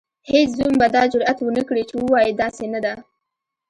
هیڅ زوم به دا جرئت ونکړي چې ووايي داسې نه ده.